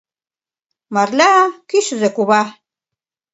Марля — кӱчызӧ кува.